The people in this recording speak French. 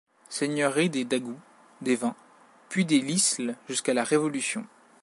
Seigneurie des d'Agoult, des Vins, puis des l'Isle jusqu'à la Révolution.